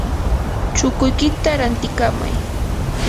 chukuykita rantikamay.